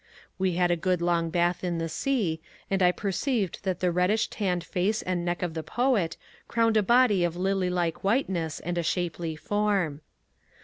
We had a good long bath in the sea, and I perceived that the reddish tanned face and neck of the poet crowned a body of lily like whiteness and a shapely form.